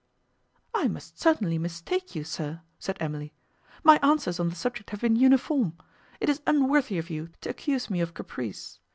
"I must certainly mistake you, sir," said Emily; "my answers on the subject have been uniform; it is unworthy of you to accuse me of caprice.